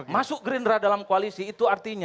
masuk gerindra dalam koalisi itu artinya